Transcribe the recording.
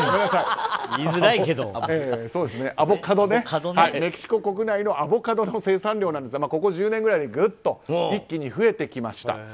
メキシコ国内のアボカドの生産量なんですがここ１０年ぐらいでずっと一気に増えてきました。